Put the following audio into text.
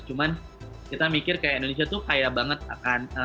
cuman kita mikir kayak indonesia tuh kaya banget akan rasa rasa ataupun